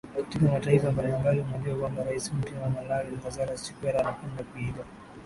katika mataifa mbalimbaliJe unajua kwamba Rais mpya wa Malawi Lazarus Chikwera anapenda kuimbaa